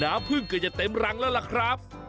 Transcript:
พึ่งก็จะเต็มรังแล้วล่ะครับ